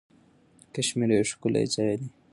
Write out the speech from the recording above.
کشمیر یو ښکلی ځای دی.